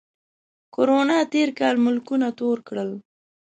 کرونا تېر کال ملکونه تور کړل